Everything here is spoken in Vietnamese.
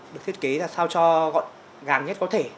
được thiết kế ra sao cho gàng nhất có thể